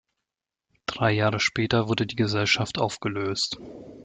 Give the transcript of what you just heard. Drei Jahre später wurde die Gesellschaft aufgelöst.